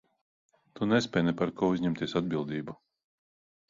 Tu nespēj ne par ko uzņemties atbildību.